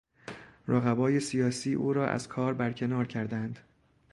رقبای سیاسی او را از کار برکنار کردند.